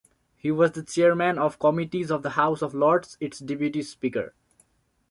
He was the Chairman of Committees of the House of Lords, its deputy speaker.